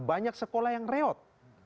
banyak sekolah yang reot